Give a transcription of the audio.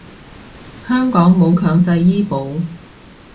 香港冇強制醫保